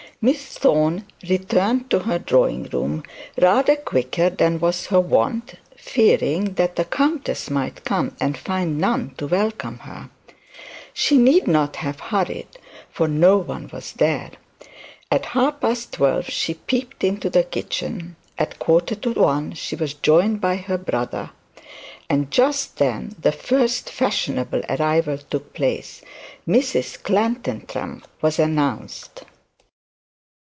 Miss Thorne returned to her drawing room rather quicker than her wont, fearing that the countess might come and find none to welcome her. She need not have hurried, for no one was there. At half past twelve she peeped into the kitchen; at a quarter to one she was joined by her brother; and just then the first fashionable arrival took place. Mrs Clantantram was announced.